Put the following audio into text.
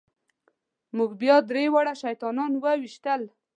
موږ بیا درې واړه شیطانان وويشتل.